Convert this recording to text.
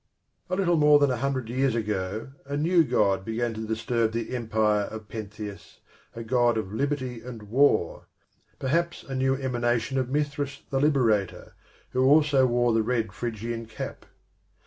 A little more than a hundred years ago a new God began to disturb the empire of Pentheus, a God of liberty and war, perhaps a new emanation of Mithras the Liberator, who also wore the red Phrygian cap.